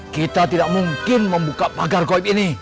kita tidak mungkin membuka pagar goib ini